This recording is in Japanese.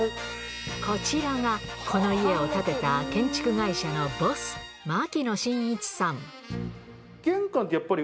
こちらがこの家を建てた建築会社のボスうわ！